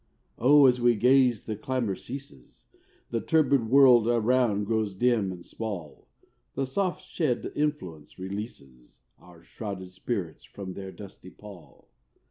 O, as we gaze the clamour ceases, The turbid world around grows dim and small, The soft shed influence releases Our shrouded spirits from their dusty pall.